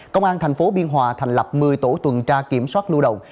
công an thành phố biên hòa thành lập một mươi tổ tuần tra kiểm soát lưu động